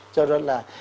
cho nên là